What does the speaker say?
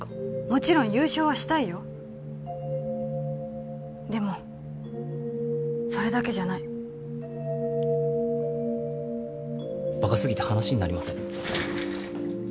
もちろん優勝はしたいよでもそれだけじゃないバカすぎて話になりません